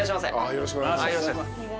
よろしくお願いします。